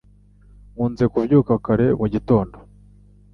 Nkunze kubyuka kare mu gitondo